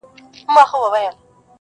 تر قیامته به یې حرف ویلی نه وای؛؛!